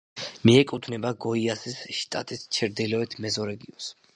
მიეკუთვნება გოიასის შტატის ჩრდილოეთ მეზორეგიონს.